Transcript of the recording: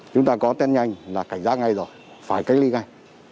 chúng ta có tên nhanh là cảnh giá ngay rồi phải cách ly ngay